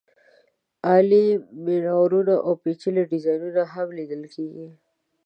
عالي مېنارونه او پېچلي ډیزاینونه هم لیدل کېږي.